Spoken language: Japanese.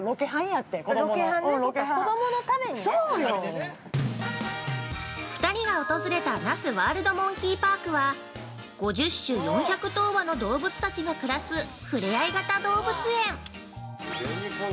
◆２人が訪れた那須ワールドモンキーパークは、５０種４００頭羽の動物たちが暮らす触れ合い型動物園。